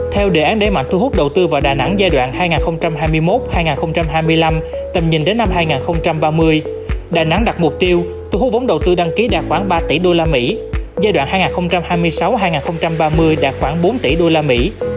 theo đề án đáy mạng thu hút đầu tư vào đà nẵng giai đoạn hai nghìn hai mươi một hai nghìn hai mươi năm tầm nhìn đến năm hai nghìn ba mươi đà nẵng đặt mục tiêu thu hút vốn đầu tư đăng ký đạt khoảng ba tỷ usd giai đoạn hai nghìn hai mươi sáu hai nghìn ba mươi đạt khoảng bốn tỷ usd